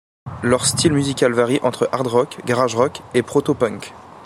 Leur style musical varie entre hard rock, garage rock et protopunk.